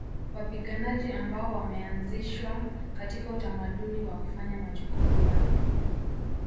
Wapiganaji ambao wameanzishwa katika utamaduni wa kufanya majukumu yao